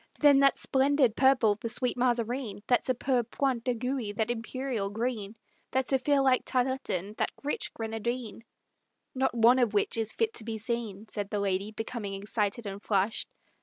"Then that splendid purple, the sweet Mazarine; That superb point d'aiguille, that imperial green, That zephyr like tarletan, that rich grenadine" "Not one of all which is fit to be seen," Said the lady, becoming excited and flushed.